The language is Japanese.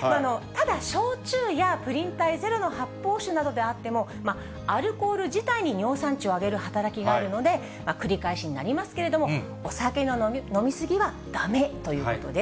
ただ、焼酎やプリン体ゼロの発泡酒などであっても、アルコール自体に尿酸値を上げる働きがあるので、繰り返しになりますけれども、お酒の飲み過ぎはだめということです。